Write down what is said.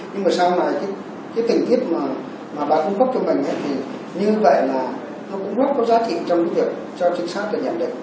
nhưng mà sau này cái tình kiếp mà bà cung cấp cho mình thì như vậy là nó cũng rất có giá trị trong việc cho chính xác và nhận định